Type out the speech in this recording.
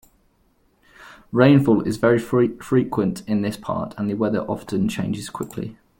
Rainfall is very frequent in this part and the weather often changes quickly.